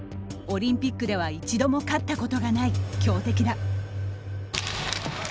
オリンピックでは一度も勝ったことがない強敵だ。